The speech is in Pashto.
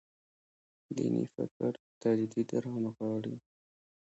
دیني فکر تجدید رانغاړي.